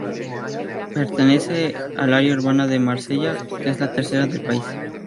Pertenece al área urbana de Marsella, que es la tercera del país.